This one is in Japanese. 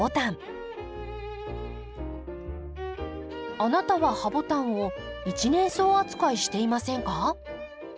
あなたはハボタンを一年草扱いしていませんか？